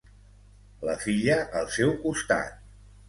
La filla al seu costat.